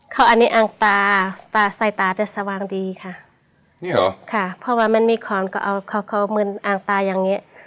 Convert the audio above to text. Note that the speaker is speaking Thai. เขาอันนี้อ่างตาใส่ตาแต่สว่างดีค่ะนี่เหรอค่ะเพราะว่ามันมีขอนก็เอาเขาเขาเหมือนอ่างตาอย่างนี้